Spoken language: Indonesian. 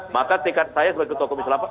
maka tekad saya sebagai ketua komisi delapan